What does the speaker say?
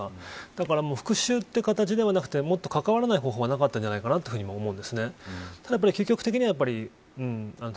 だから復讐という形ではなくてもっと関わらない方法はなかったんじゃないかと思う。